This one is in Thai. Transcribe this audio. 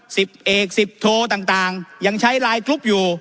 สิบเอกสิบโทต่างต่างยังใช้ไลน์กรุ๊ปอยู่